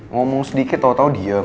ngomong sedikit tau tau diem